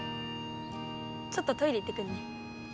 ちょっとトイレ行ってくるね。